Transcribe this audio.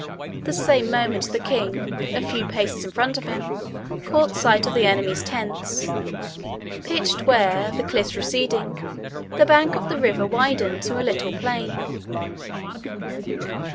The same moment the king, a few paces in front of him, caught sight of the enemy's tents, pitched where, the cliffs receding, the bank of the river widened to a little plain.